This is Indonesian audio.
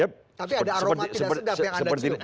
tapi ada aroma tidak sedap yang ada di situ